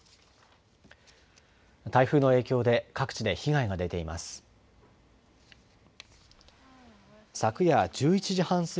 台風の影響で各地で被害が出ています。